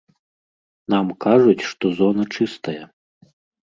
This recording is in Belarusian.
Нам кажуць, што зона чыстая.